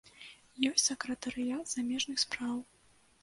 Ёсць сакратарыят замежных спраў.